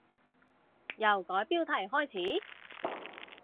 由改標題開始？